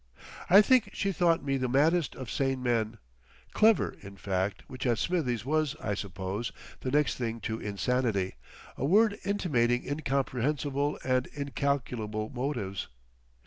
I think she thought me the maddest of sane men; "clever," in fact, which at Smithie's was, I suppose, the next thing to insanity, a word intimating incomprehensible and incalculable motives....